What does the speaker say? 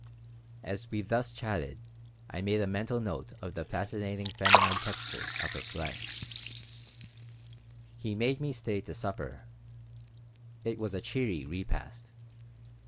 As we thus chatted, I made a mental note of the fascinating feminine texture of her flesh He made me stay to supper. It was a cheery repast.